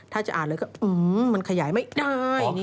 ถ้าจะอ่านเลยก็มันขยายไม่ได้